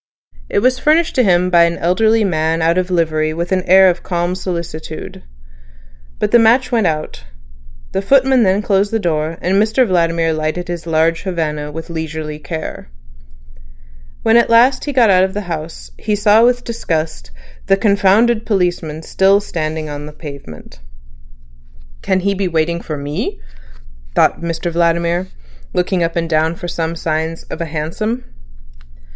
It was furnished to him by an elderly man out of livery with an air of calm solicitude. But the match went out; the footman then closed the door, and Mr Vladimir lighted his large Havana with leisurely care. When at last he got out of the house, he saw with disgust the "confounded policeman" still standing on the pavement. "Can he be waiting for me," thought Mr Vladimir, looking up and down for some signs of a hansom.